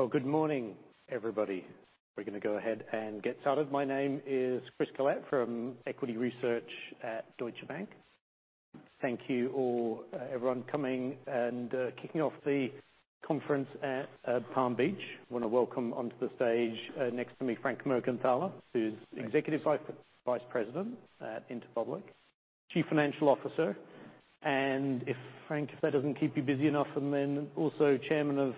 Oh, good morning, everybody. We're gonna go ahead and get started. My name is Chris Collett from Equity Research at Deutsche Bank. Thank you all, everyone coming and kicking off the conference at Palm Beach. I wanna welcome onto the stage, next to me, Frank Mergenthaler, who's Executive Vice President at Interpublic, Chief Financial Officer. And, Frank, if that doesn't keep you busy enough, and then also Chairman of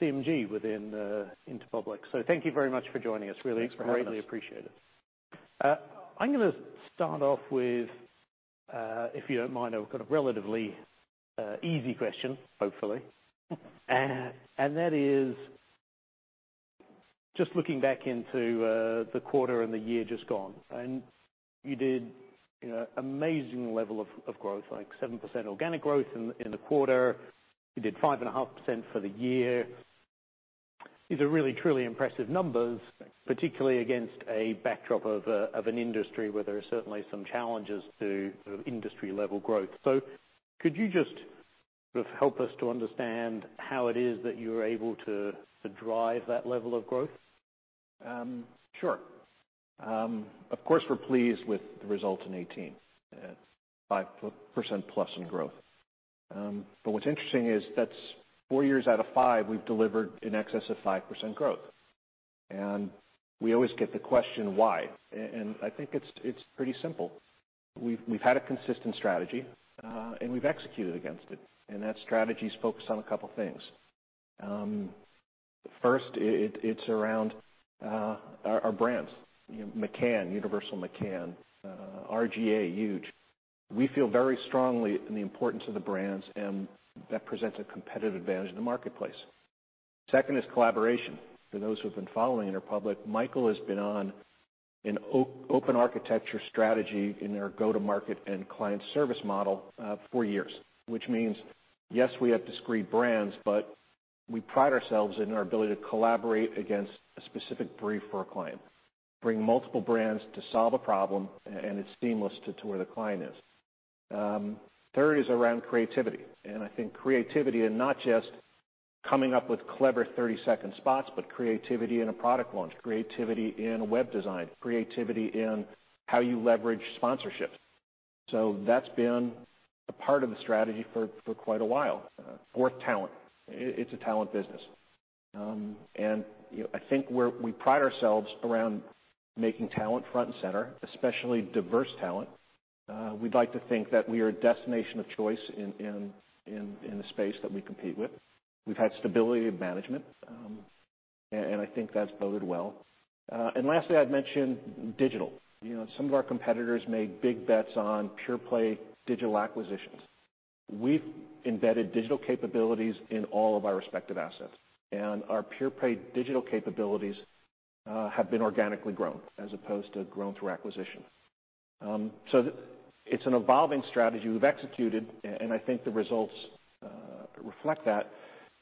CMG within Interpublic. So thank you very much for joining us. I really greatly appreciate it. Thanks. I'm gonna start off with, if you don't mind, a kind of relatively easy question, hopefully, and that is just looking back into the quarter and the year just gone, and you did, you know, amazing level of growth, like 7% organic growth in the quarter. You did 5.5% for the year. These are really, truly impressive numbers, particularly against a backdrop of an industry where there are certainly some challenges to industry-level growth, so could you just sort of help us to understand how it is that you were able to drive that level of growth? Sure. Of course, we're pleased with the result in 2018, 5% plus in growth, but what's interesting is that's four years out of five we've delivered in excess of 5% growth, and we always get the question, why, and I think it's pretty simple. We've had a consistent strategy, and we've executed against it, and that strategy's focused on a couple things. First, it's around our brands, you know, McCann, Universal McCann, R/GA, Huge. We feel very strongly in the importance of the brands, and that presents a competitive advantage in the marketplace. Second is collaboration. For those who have been following Interpublic, Michael has been on an open architecture strategy in our go to market and client service model, for years, which means, yes, we have discrete brands, but we pride ourselves in our ability to collaborate against a specific brief for a client, bring multiple brands to solve a problem, and it's seamless to where the client is. Third is around creativity, and I think creativity and not just coming up with clever 30-second spots, but creativity in a product launch, creativity in web design, creativity in how you leverage sponsorships, so that's been a part of the strategy for quite a while. Fourth, talent. It's a talent business, and, you know, I think we pride ourselves around making talent front and center, especially diverse talent. We'd like to think that we are a destination of choice in the space that we compete with. We've had stability of management, and I think that's boded well. And lastly, I'd mention digital. You know, some of our competitors made big bets on pure-play digital acquisitions. We've embedded digital capabilities in all of our respective assets. And our pure-play digital capabilities have been organically grown as opposed to grown through acquisition. So it's an evolving strategy we've executed, and I think the results reflect that.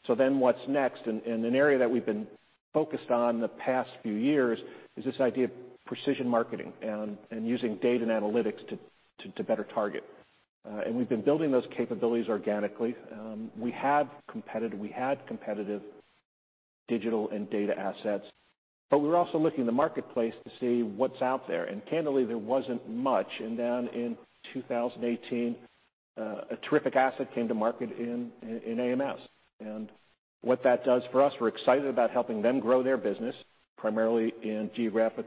So then what's next? And an area that we've been focused on the past few years is this idea of precision marketing and using data and analytics to better target. And we've been building those capabilities organically. We had competitive digital and data assets, but we were also looking at the marketplace to see what's out there. Candidly, there wasn't much. In 2018, a terrific asset came to market in AMS. What that does for us, we're excited about helping them grow their business, primarily in geographic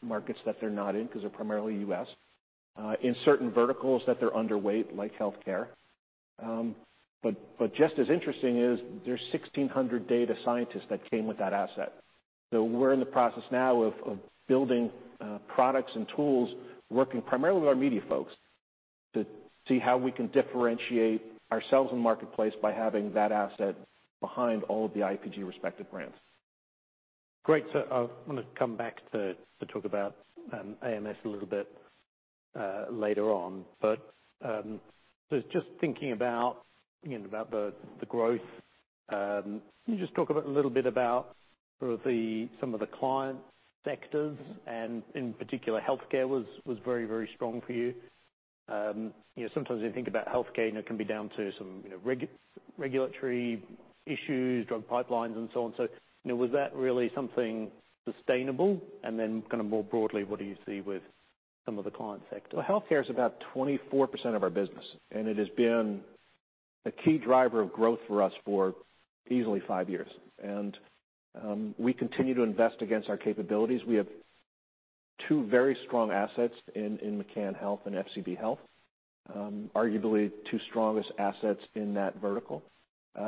markets that they're not in 'cause they're primarily U.S., in certain verticals that they're underweight, like healthcare. But just as interesting is there's 1,600 data scientists that came with that asset. We're in the process now of building products and tools, working primarily with our media folks to see how we can differentiate ourselves in the marketplace by having that asset behind all of the IPG-respected brands. Great, so I wanna come back to talk about AMS a little bit later on, but just thinking about you know about the growth, can you just talk a little bit about sort of some of the client sectors, and in particular, healthcare was very, very strong for you. You know, sometimes when you think about healthcare, you know, it can be down to some you know regulatory issues, drug pipelines, and so on, so you know was that really something sustainable, and then kinda more broadly, what do you see with some of the client sectors? Healthcare is about 24% of our business, and it has been a key driver of growth for us for easily five years. We continue to invest against our capabilities. We have two very strong assets in McCann Health and FCB Health, arguably two strongest assets in that vertical.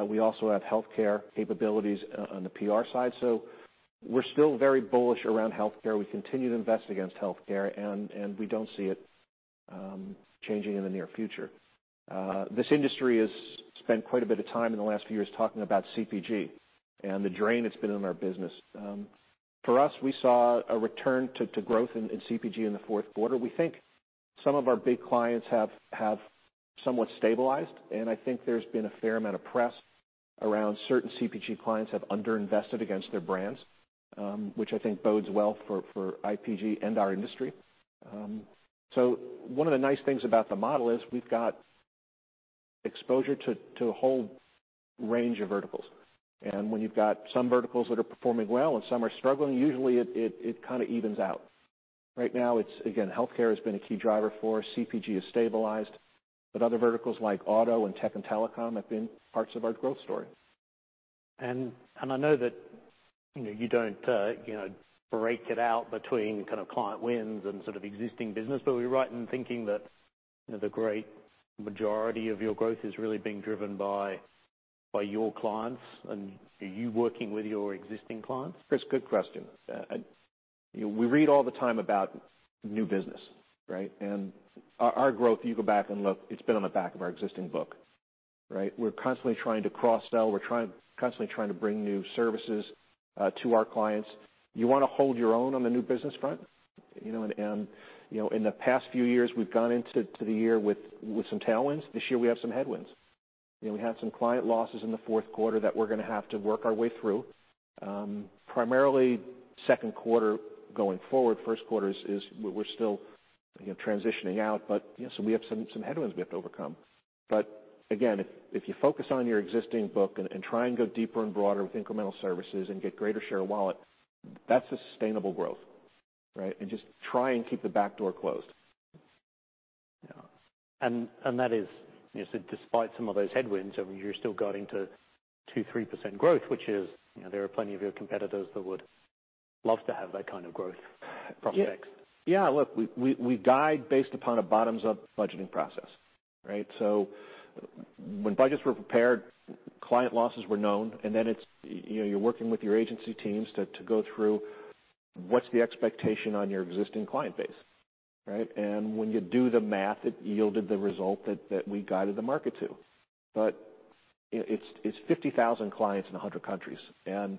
We also have healthcare capabilities on the PR side. We're still very bullish around healthcare. We continue to invest against healthcare, and we don't see it changing in the near future. This industry has spent quite a bit of time in the last few years talking about CPG and the drain it's been in our business. For us, we saw a return to growth in CPG in the fourth quarter. We think some of our big clients have somewhat stabilized, and I think there's been a fair amount of press around certain CPG clients have underinvested against their brands, which I think bodes well for IPG and our industry, so one of the nice things about the model is we've got exposure to a whole range of verticals, and when you've got some verticals that are performing well and some are struggling, usually it kinda evens out. Right now, it's again, healthcare has been a key driver for us. CPG has stabilized, but other verticals like auto and tech and telecom have been parts of our growth story. I know that, you know, you don't, you know, break it out between kinda client wins and sort of existing business, but were you right in thinking that, you know, the great majority of your growth is really being driven by your clients and you working with your existing clients? Chris, good question. You know, we read all the time about new business, right? And our growth, you go back and look, it's been on the back of our existing book, right? We're constantly trying to cross-sell. We're constantly trying to bring new services to our clients. You wanna hold your own on the new business front, you know, and, you know, in the past few years, we've gone into the year with some tailwinds. This year, we have some headwinds. You know, we had some client losses in the fourth quarter that we're gonna have to work our way through, primarily second quarter going forward. First quarter is we're still, you know, transitioning out, but, you know, so we have some headwinds we have to overcome. But again, if you focus on your existing book and try and go deeper and broader with incremental services and get greater share of wallet, that's a sustainable growth, right? And just try and keep the back door closed. Yeah. And that is, you know, so despite some of those headwinds, I mean, you're still guiding to 2-3% growth, which is, you know, there are plenty of your competitors that would love to have that kind of growth prospects. Yeah. Yeah. Look, we guide based upon a bottoms-up budgeting process, right? So when budgets were prepared, client losses were known, and then it's, you know, you're working with your agency teams to go through what's the expectation on your existing client base, right? And when you do the math, it yielded the result that we guided the market to. But, you know, it's 50,000 clients in 100 countries. And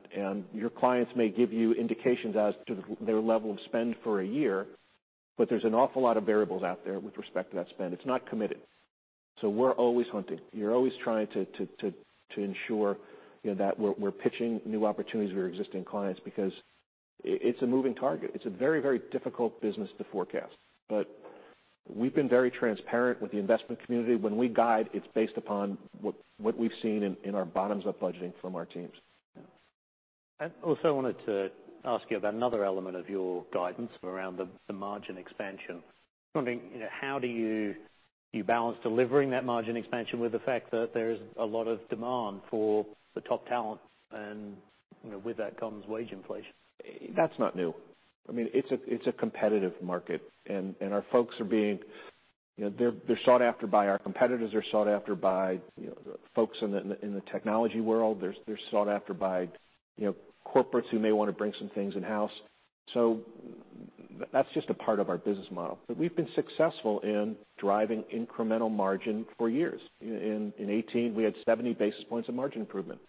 your clients may give you indications as to their level of spend for a year, but there's an awful lot of variables out there with respect to that spend. It's not committed. So we're always hunting. You're always trying to ensure, you know, that we're pitching new opportunities to our existing clients because it's a moving target. It's a very, very difficult business to forecast. But we've been very transparent with the investment community. When we guide, it's based upon what we've seen in our bottoms-up budgeting from our teams. Yeah. And also, I wanted to ask you about another element of your guidance around the margin expansion. I'm wondering, you know, how do you balance delivering that margin expansion with the fact that there is a lot of demand for the top talent and, you know, with that comes wage inflation? That's not new. I mean, it's a competitive market, and our folks are being, you know, they're sought after by our competitors. They're sought after by, you know, the folks in the technology world. They're sought after by, you know, corporates who may wanna bring some things in-house, so that's just a part of our business model, but we've been successful in driving incremental margin for years. In 2018, we had 70 basis points of margin improvement.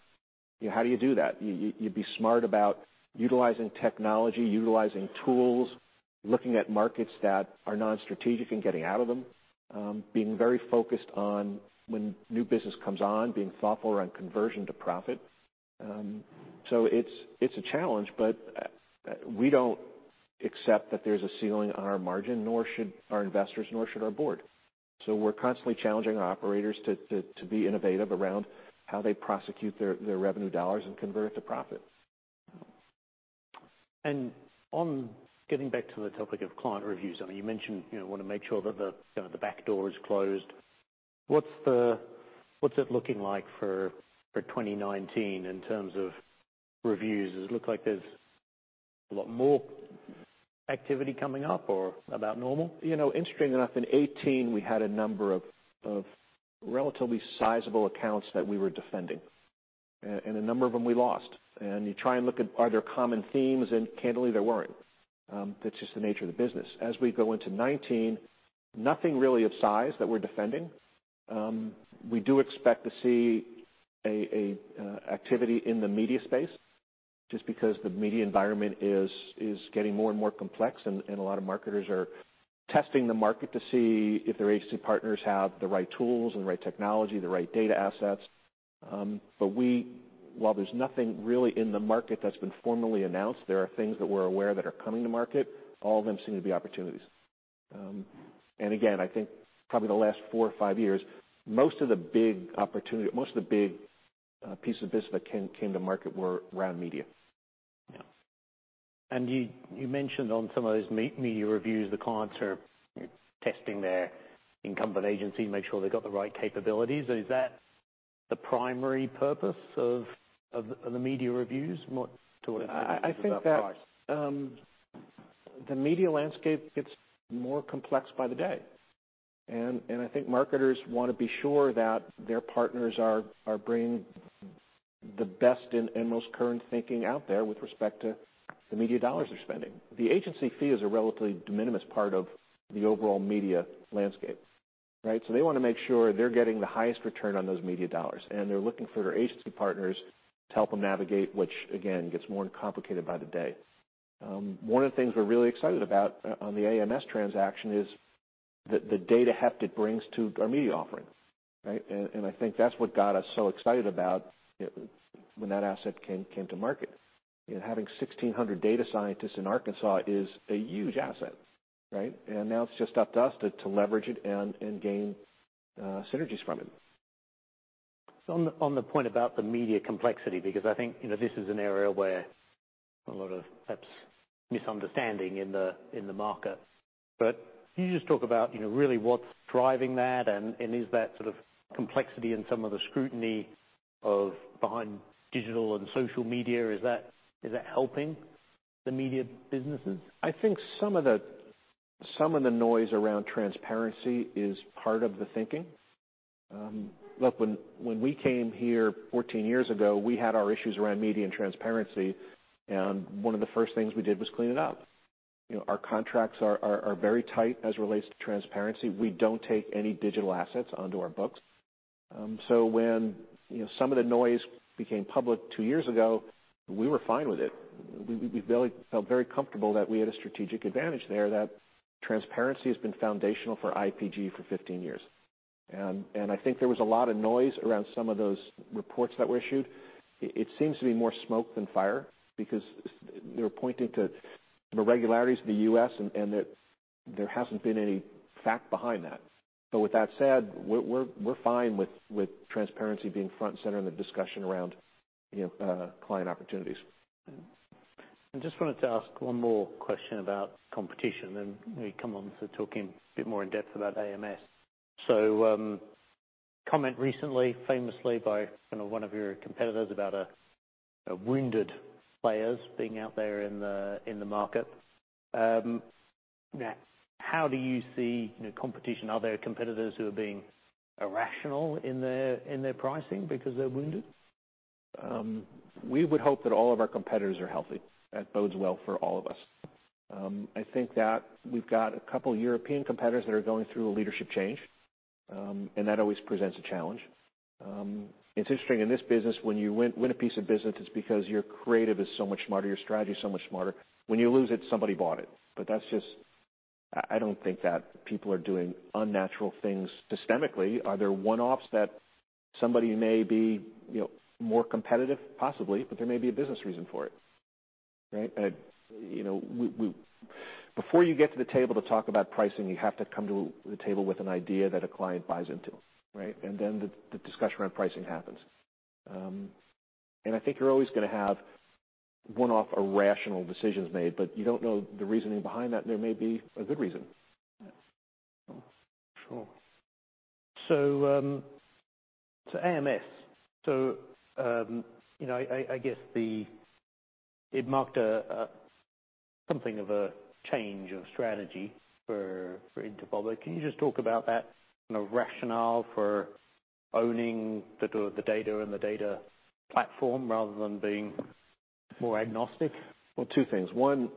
You know, how do you do that? You'd be smart about utilizing technology, utilizing tools, looking at markets that are non-strategic and getting out of them, being very focused on when new business comes on, being thoughtful around conversion to profit. So it's a challenge, but we don't accept that there's a ceiling on our margin, nor should our investors, nor should our board. So we're constantly challenging our operators to be innovative around how they prosecute their revenue dollars and convert it to profit. On getting back to the topic of client reviews, I mean, you mentioned, you know, wanna make sure that the, you know, the back door is closed. What's it looking like for 2019 in terms of reviews? Does it look like there's a lot more activity coming up or about normal? You know, interestingly enough, in 2018, we had a number of relatively sizable accounts that we were defending, and a number of them we lost. And you try and look at are there common themes, and candidly, there weren't. That's just the nature of the business. As we go into 2019, nothing really of size that we're defending. We do expect to see a activity in the media space just because the media environment is getting more and more complex, and a lot of marketers are testing the market to see if their agency partners have the right tools, the right technology, the right data assets, but we, while there's nothing really in the market that's been formally announced, there are things that we're aware that are coming to market. All of them seem to be opportunities. And again, I think probably the last four or five years, most of the big opportunity, pieces of business that came to market were around media. Yeah. And you mentioned on some of those media reviews, the clients are, you know, testing their incumbent agency to make sure they've got the right capabilities. Is that the primary purpose of the media reviews? What sort of price? I think that the media landscape gets more complex by the day. I think marketers wanna be sure that their partners are bringing the best and most current thinking out there with respect to the media dollars they're spending. The agency fee is a relatively de minimis part of the overall media landscape, right? So they wanna make sure they're getting the highest return on those media dollars, and they're looking for their agency partners to help them navigate, which, again, gets more complicated by the day. One of the things we're really excited about on the AMS transaction is the data heft it brings to our media offering, right? I think that's what got us so excited about, you know, when that asset came to market. You know, having 1,600 data scientists in Arkansas is a huge asset, right? Now it's just up to us to leverage it and gain synergies from it. So on the point about the media complexity, because I think, you know, this is an area where a lot of perhaps misunderstanding in the market. But can you just talk about, you know, really what's driving that, and is that sort of complexity and some of the scrutiny behind digital and social media, is that helping the media businesses? I think some of the noise around transparency is part of the thinking. Look, when we came here 14 years ago, we had our issues around media and transparency, and one of the first things we did was clean it up. You know, our contracts are very tight as it relates to transparency. We don't take any digital assets onto our books, so when, you know, some of the noise became public two years ago, we were fine with it. We felt very comfortable that we had a strategic advantage there, that transparency has been foundational for IPG for 15 years. I think there was a lot of noise around some of those reports that were issued. It seems to be more smoke than fire because they were pointing to some irregularities in the U.S. and that there hasn't been any fact behind that. But with that said, we're fine with transparency being front and center in the discussion around, you know, client opportunities. Yeah. I just wanted to ask one more question about competition, and we come on to talking a bit more in depth about AMS. So, comment recently, famously by, you know, one of your competitors about wounded players being out there in the market. Now, how do you see, you know, competition? Are there competitors who are being irrational in their pricing because they're wounded? We would hope that all of our competitors are healthy. That bodes well for all of us. I think that we've got a couple of European competitors that are going through a leadership change, and that always presents a challenge. It's interesting in this business, when you win, win a piece of business, it's because your creative is so much smarter, your strategy is so much smarter. When you lose it, somebody bought it. But that's just, I don't think that people are doing unnatural things systemically. Are there one-offs that somebody may be, you know, more competitive? Possibly, but there may be a business reason for it, right? You know, we before you get to the table to talk about pricing, you have to come to the table with an idea that a client buys into, right? And then the discussion around pricing happens. And I think you're always gonna have one-off irrational decisions made, but you don't know the reasoning behind that, and there may be a good reason. Yeah. Sure. So, AMS, you know, I guess it marked something of a change of strategy for Interpublic. Can you just talk about that kind of rationale for owning the data and the data platform rather than being more agnostic? Two things. One,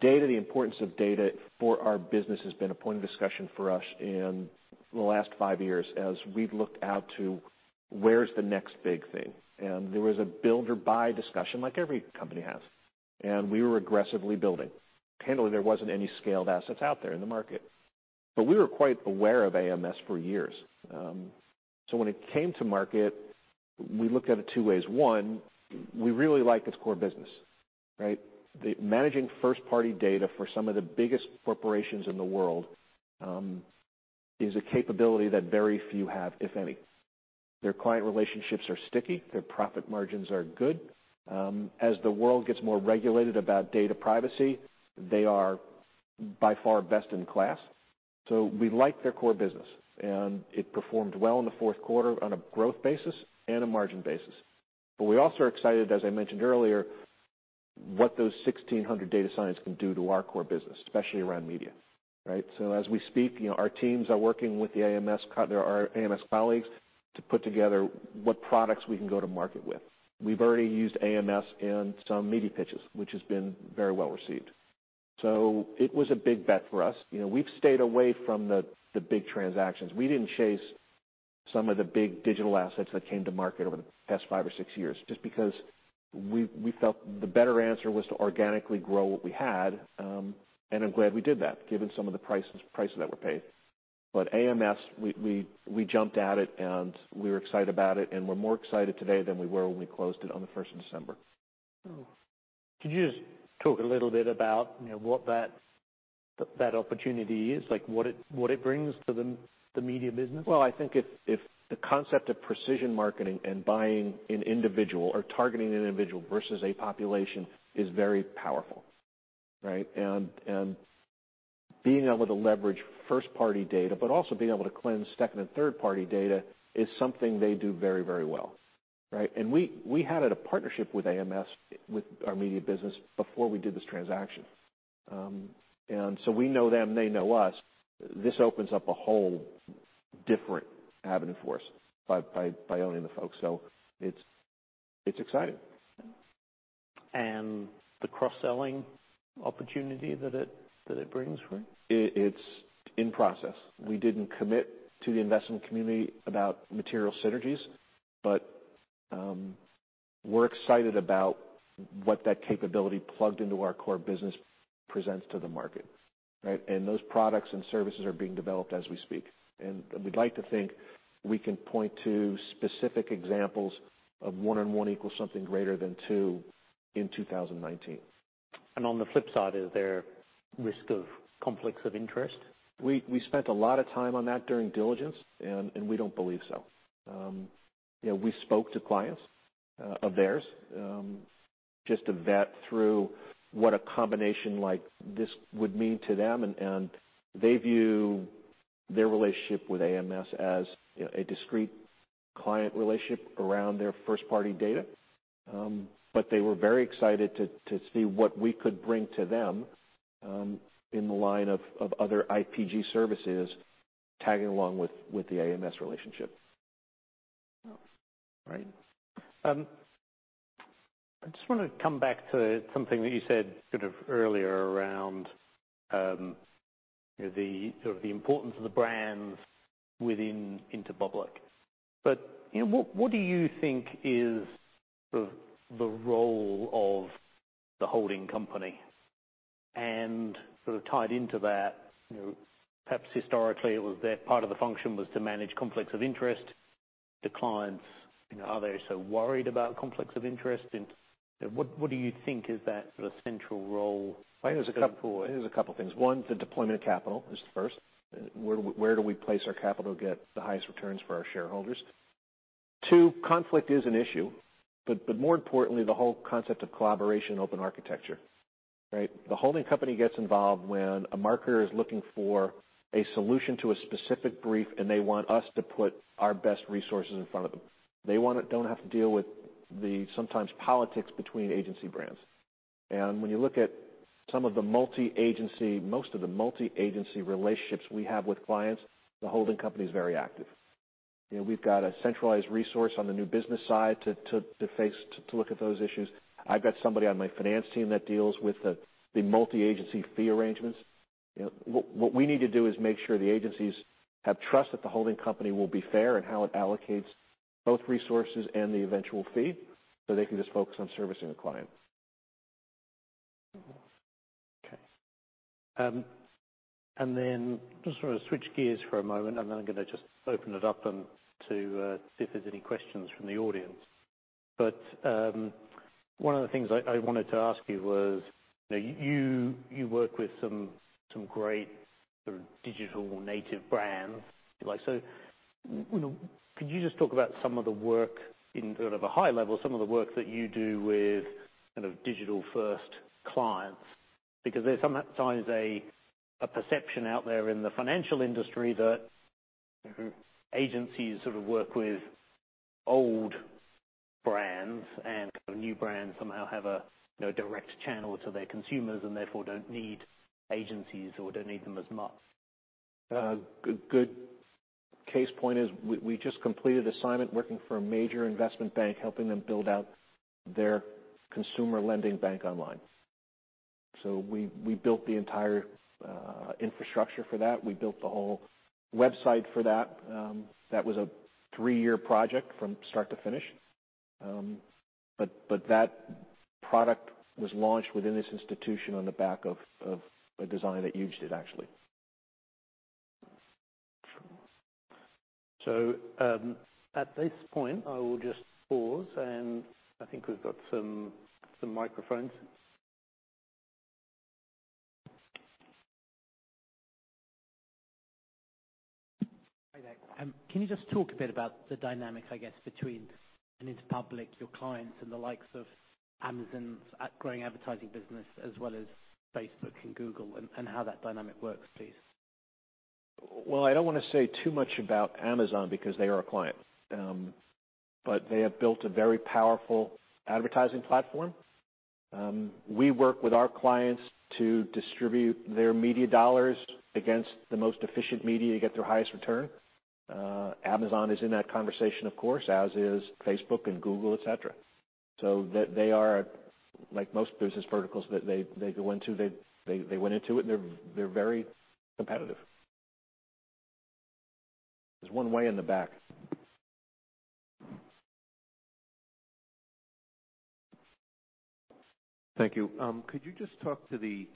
data, the importance of data for our business has been a point of discussion for us in the last five years as we've looked out to where's the next big thing and there was a build-or-buy discussion like every company has, and we were aggressively building. Candidly, there wasn't any scaled assets out there in the market, but we were quite aware of AMS for years, so when it came to market, we looked at it two ways. One, we really liked its core business, right? The managing first-party data for some of the biggest corporations in the world is a capability that very few have, if any. Their client relationships are sticky. Their profit margins are good, as the world gets more regulated about data privacy, they are by far best in class. So we liked their core business, and it performed well in the fourth quarter on a growth basis and a margin basis. But we also are excited, as I mentioned earlier, what those 1,600 data scientists can do to our core business, especially around media, right? So as we speak, you know, our teams are working with their AMS colleagues to put together what products we can go to market with. We've already used AMS in some media pitches, which has been very well received. So it was a big bet for us. You know, we've stayed away from the big transactions. We didn't chase some of the big digital assets that came to market over the past five or six years just because we felt the better answer was to organically grow what we had. and I'm glad we did that given some of the prices that were paid. But AMS, we jumped at it, and we were excited about it, and we're more excited today than we were when we closed it on the 1st of December. Sure. Could you just talk a little bit about, you know, what that opportunity is? Like, what it brings to the media business? I think if the concept of precision marketing and buying an individual or targeting an individual versus a population is very powerful, right? And being able to leverage first-party data but also being able to cleanse second and third-party data is something they do very, very well, right? And we had a partnership with AMS, with our media business, before we did this transaction. And so we know them, they know us. This opens up a whole different avenue for us by owning the folks. So it's exciting. Yeah, and the cross-selling opportunity that it brings for you? It's in process. We didn't commit to the investment community about material synergies, but we're excited about what that capability plugged into our core business presents to the market, right? And those products and services are being developed as we speak. And we'd like to think we can point to specific examples of one-on-one equals something greater than two in 2019. On the flip side, is there risk of conflicts of interest? We spent a lot of time on that during diligence, and we don't believe so. You know, we spoke to clients of theirs just to vet through what a combination like this would mean to them. They view their relationship with AMS as, you know, a discrete client relationship around their first-party data. They were very excited to see what we could bring to them in the line of other IPG services tagging along with the AMS relationship. Yeah. Right. I just wanna come back to something that you said sort of earlier around, you know, the sort of the importance of the brands within Interpublic. But, you know, what, what do you think is sort of the role of the holding company? And sort of tied into that, you know, perhaps historically, it was their part of the function was to manage conflicts of interest. The clients, you know, are they so worried about conflicts of interest? And, you know, what, what do you think is that sort of central role? I think there's a couple of things. One, the deployment of capital is the first. Where do we place our capital to get the highest returns for our shareholders? Two, conflict is an issue, but more importantly, the whole concept of collaboration and open architecture, right? The holding company gets involved when a marketer is looking for a solution to a specific brief, and they want us to put our best resources in front of them. They wanna don't have to deal with the sometimes politics between agency brands, and when you look at some of the multi-agency, most of the multi-agency relationships we have with clients, the holding company's very active. You know, we've got a centralized resource on the new business side to face, to look at those issues. I've got somebody on my finance team that deals with the multi-agency fee arrangements. You know, what we need to do is make sure the agencies have trust that the holding company will be fair in how it allocates both resources and the eventual fee so they can just focus on servicing the client. Okay, and then just wanna switch gears for a moment, and then I'm gonna just open it up to see if there's any questions from the audience, but one of the things I wanted to ask you was, you know, you work with some great sort of digital native brands. Like, so, you know, could you just talk about some of the work in sort of a high level, some of the work that you do with kind of digital-first clients? Because there's sometimes a perception out there in the financial industry that, you know, agencies sort of work with old brands, and kind of new brands somehow have a, you know, direct channel to their consumers and therefore don't need agencies or don't need them as much. Good case in point is we just completed assignment working for a major investment bank, helping them build out their consumer lending bank online. So we built the entire infrastructure for that. We built the whole website for that. That was a three-year project from start to finish. But that product was launched within this institution on the back of a design that you just did, actually. Sure. So, at this point, I will just pause, and I think we've got some microphones. Hi, there. Can you just talk a bit about the dynamic, I guess, between Interpublic, your clients, and the likes of Amazon's growing advertising business as well as Facebook and Google and, and how that dynamic works, please? I don't wanna say too much about Amazon because they are a client. But they have built a very powerful advertising platform. We work with our clients to distribute their media dollars against the most efficient media to get their highest return. Amazon is in that conversation, of course, as is Facebook and Google, etc. So they are like most business verticals that they go into, they went into it, and they're very competitive. There's one way in the back. Thank you. Could you just talk to the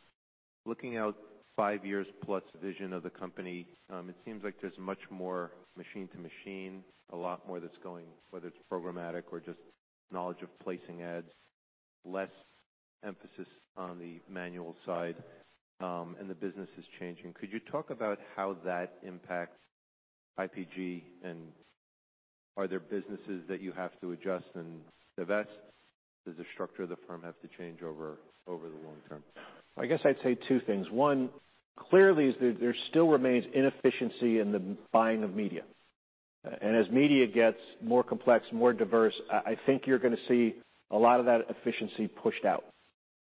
looking out five-year-plus vision of the company? It seems like there's much more machine-to-machine, a lot more that's going, whether it's programmatic or just knowledge of placing ads, less emphasis on the manual side, and the business is changing. Could you talk about how that impacts IPG, and are there businesses that you have to adjust and divest? Does the structure of the firm have to change over the long term? I guess I'd say two things. One, clearly, is that there still remains inefficiency in the buying of media, and as media gets more complex, more diverse, I think you're gonna see a lot of that inefficiency pushed out,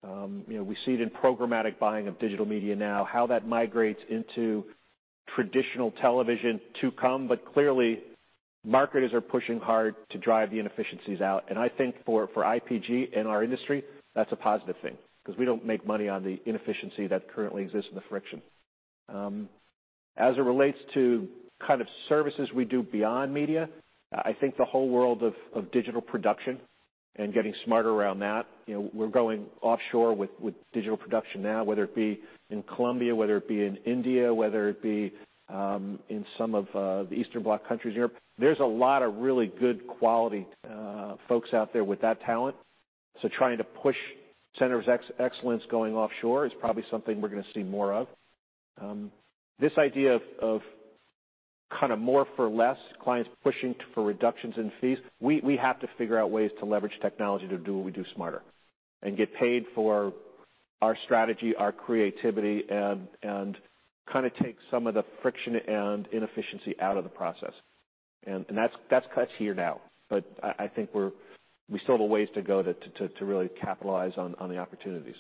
you know, we see it in programmatic buying of digital media now, how that migrates into traditional television to come, but clearly, marketers are pushing hard to drive the inefficiencies out, and I think for IPG and our industry, that's a positive thing 'cause we don't make money on the inefficiency that currently exists and the friction. As it relates to kind of services we do beyond media, I think the whole world of digital production and getting smarter around that, you know, we're going offshore with digital production now, whether it be in Colombia, whether it be in India, whether it be in some of the Eastern Bloc countries, Europe. There's a lot of really good quality folks out there with that talent. So trying to push center of excellence going offshore is probably something we're gonna see more of. This idea of kind of more for less, clients pushing for reductions in fees, we have to figure out ways to leverage technology to do what we do smarter and get paid for our strategy, our creativity, and kind of take some of the friction and inefficiency out of the process. And that's cut here now. But I think we still have a ways to go to really capitalize on the opportunities.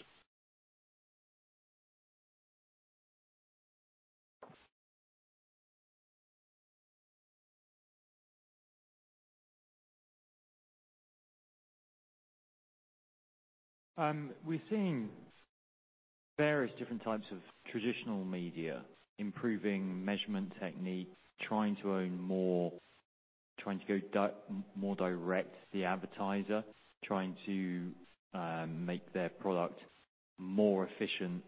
We're seeing various different types of traditional media improving measurement technique, trying to own more, trying to go more direct to the advertiser, trying to make their product more efficient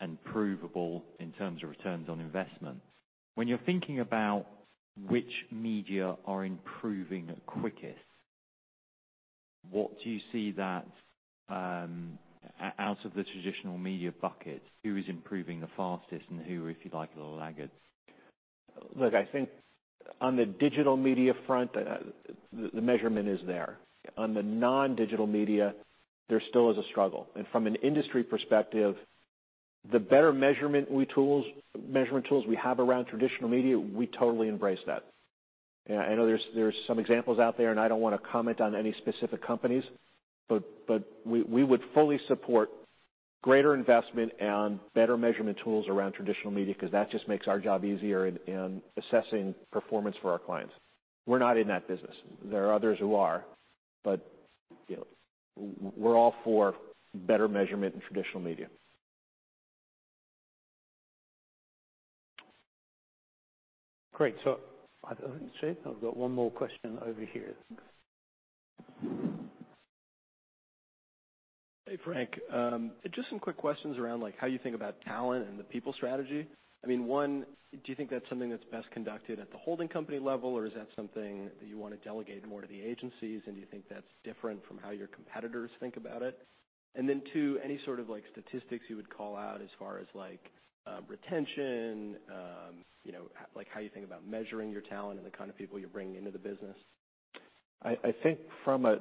and provable in terms of returns on investment. When you're thinking about which media are improving the quickest, what do you see, out of the traditional media bucket, who is improving the fastest and who, if you like, a little laggard? Look, I think on the digital media front, the measurement is there. On the non-digital media, there still is a struggle. And from an industry perspective, the better measurement tools we have around traditional media, we totally embrace that. Yeah. I know there's some examples out there, and I don't wanna comment on any specific companies, but we would fully support greater investment and better measurement tools around traditional media 'cause that just makes our job easier in assessing performance for our clients. We're not in that business. There are others who are, but, you know, we're all for better measurement in traditional media. Great. So I think, Shane, I've got one more question over here. Hey, Frank. Just some quick questions around, like, how you think about talent and the people strategy. I mean, one, do you think that's something that's best conducted at the holding company level, or is that something that you wanna delegate more to the agencies, and do you think that's different from how your competitors think about it? And then two, any sort of, like, statistics you would call out as far as, like, retention, you know, like, how you think about measuring your talent and the kind of people you're bringing into the business? I think from a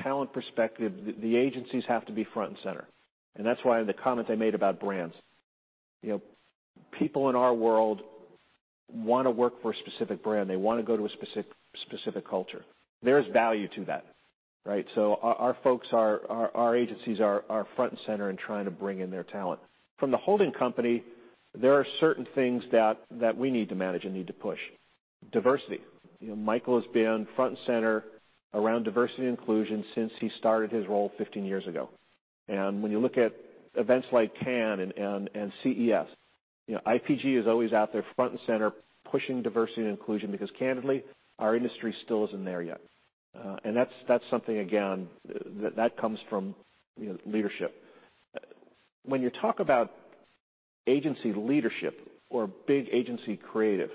talent perspective, the agencies have to be front and center. And that's why the comments I made about brands, you know, people in our world wanna work for a specific brand. They wanna go to a specific culture. There's value to that, right? So our agencies are front and center in trying to bring in their talent. From the holding company, there are certain things that we need to manage and need to push. Diversity. You know, Michael has been front and center around diversity and inclusion since he started his role 15 years ago. And when you look at events like CAN and CES, you know, IPG is always out there front and center pushing diversity and inclusion because, candidly, our industry still isn't there yet. and that's something, again, that comes from, you know, leadership. When you talk about agency leadership or big agency creative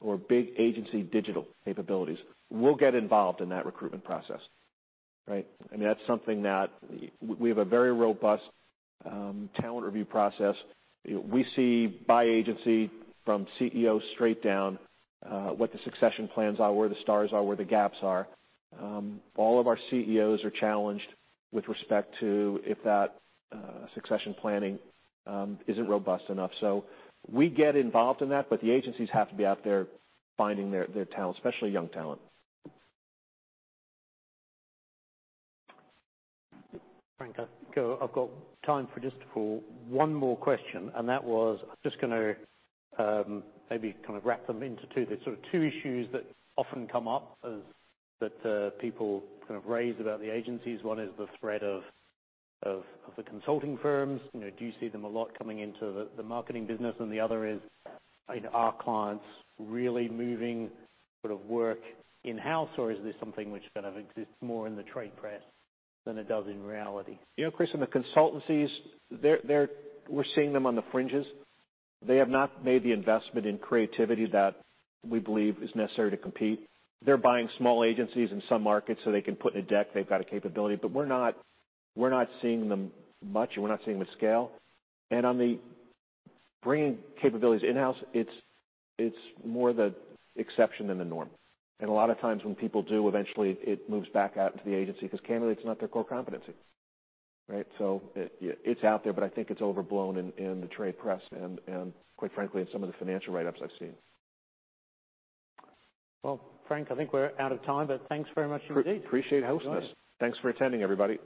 or big agency digital capabilities, we'll get involved in that recruitment process, right? I mean, that's something that we have a very robust talent review process. You know, we see by agency from CEO straight down, what the succession plans are, where the stars are, where the gaps are. All of our CEOs are challenged with respect to if that succession planning isn't robust enough. So we get involved in that, but the agencies have to be out there finding their talent, especially young talent. Frank, I've got time for just one more question, and that was I'm just gonna, maybe kind of wrap them into two. There's sort of two issues that often come up as that, people kind of raise about the agencies. One is the threat of the consulting firms. You know, do you see them a lot coming into the marketing business? And the other is, you know, are clients really moving sort of work in-house, or is this something which kind of exists more in the trade press than it does in reality? You know, Chris, in the consultancies, they're, we're seeing them on the fringes. They have not made the investment in creativity that we believe is necessary to compete. They're buying small agencies in some markets so they can put in a deck. They've got a capability. But we're not seeing them much, and we're not seeing them at scale. And on the bringing capabilities in-house, it's more the exception than the norm. And a lot of times when people do, eventually, it moves back out into the agency 'cause, candidly, it's not their core competency, right? So it, it's out there, but I think it's overblown in the trade press and quite frankly, in some of the financial write-ups I've seen. Frank, I think we're out of time, but thanks very much indeed. Appreciate hosting us. Thanks for attending, everybody.